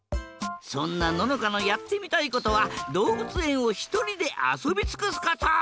そんなののかのやってみたいことはどうぶつえんをひとりであそびつくすこと！